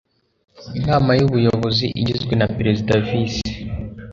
inama y ubuyozi igizwe na perezida visi